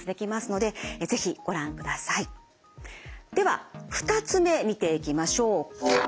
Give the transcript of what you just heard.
では２つ目見ていきましょう。